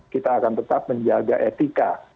kita akan tetap menjaga etika